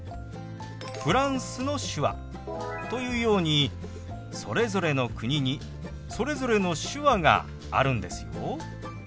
フランスの手話というようにそれぞれの国にそれぞれの手話があるんですよ。